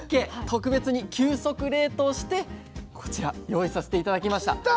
特別に急速冷凍してこちら用意させて頂きました。来た。